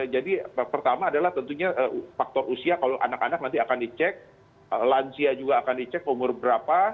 jadi pertama adalah tentunya faktor usia kalau anak anak nanti akan dicek lansia juga akan dicek umur berapa